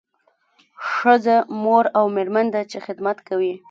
ښځه مور او میرمن ده چې خدمت کوي